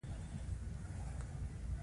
د کابل میوزیم بډایه خزانه لري